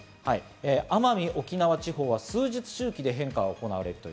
奄美、沖縄地方は数日周期で変化が行われると。